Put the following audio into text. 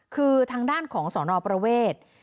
คือทางด้านของสนประเวท